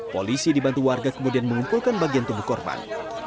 polisi dibantu warga kemudian mengumpulkan bagian tubuh korban